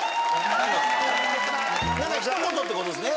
何か一言ってことですね